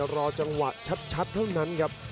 รอจังหวะชัดเท่านั้นครับ